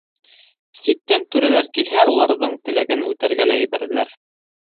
Ситтән түрәләр килһә, уларҙың теләген үтәргә лә ебәрҙеләр.